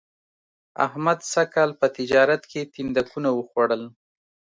احمد سږ کال په تجارت کې تیندکونه و خوړل